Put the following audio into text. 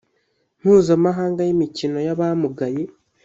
mpuzamahanga y imikino y Abamugaye